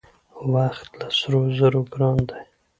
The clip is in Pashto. وخت له سرو زرو ګران دی .